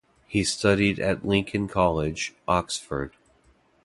He studied at Lincoln College, Oxford.